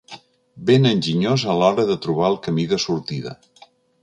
Ben enginyós a l'hora de trobar el camí de sortida.